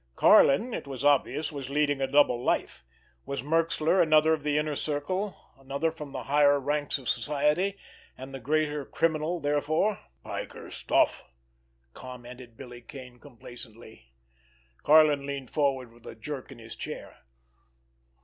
Karlin, it was obvious, was leading a double life. Was Merxler another of the inner circle, another from the higher ranks of society—and the greater criminal therefor! "Piker stuff!" commented Billy Kane complacently. Karlin leaned forward with a jerk in his chair.